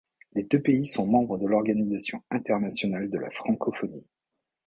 Les deux pays sont membres de l'Organisation internationale de la francophonie.